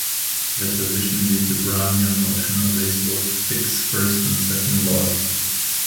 Deposition due to Brownian motion obeys both Fick's first and second laws.